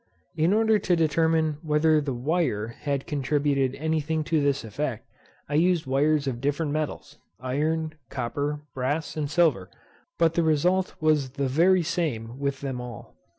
In order to determine whether the wire had contributed any thing to this effect, I used wires of different metals, iron, copper, brass, and silver; but the result was the very same with them all.